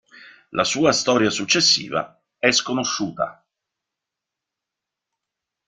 La sua storia successiva è sconosciuta.